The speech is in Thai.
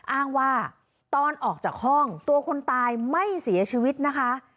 อ้างว่าตอนออกจากห้องตัวคนตายไม่เสียชีวิตนะคะ